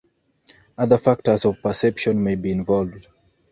Other factors of perception may be involved.